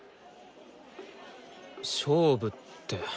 勝負って。